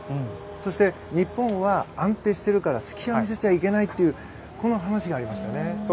そして、日本は安定しているから隙を見せちゃいけないという話がありました。